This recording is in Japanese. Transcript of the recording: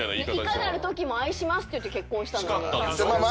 いかなるときも愛しますって言って結婚したのに。